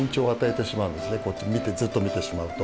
ずっと見てしまうと。